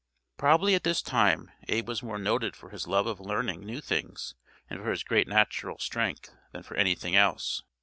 Probably at this time Abe was more noted for his love of learning new things and for his great natural strength than for anything else.